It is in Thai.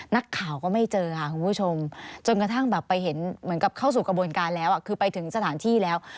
นักข่าวก็ไม่เจอค่ะคุณผู้ชมจนกระทั่งแบบไปเห็นเหมือนกับเข้าสู่กระบวนการแล้วคือไปถึงสถานที่แล้ว